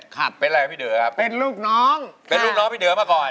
จุ๋มกิ๋มจุ๋มกิ๋มตายค่ะโอ้พี่จิ๊บค่ะ